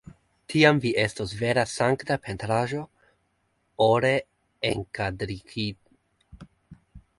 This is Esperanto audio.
Tiam vi estos vera sankta pentraĵo, ore enkadrigita!